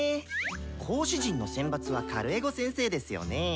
講師陣の選抜はカルエゴ先生ですよね？